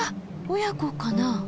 親子かな？